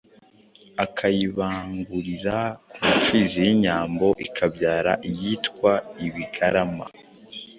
akayibangurira ku mfizi y'inyambo ikabyara iyitwa ibigarama,